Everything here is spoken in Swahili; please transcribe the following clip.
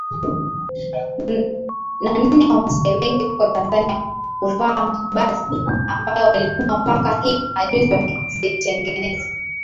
na nne Wamasai wengi huko Tanzania huvaa makubadhi ambayo walikuwa mpaka hivi majuzi wakizitengeneza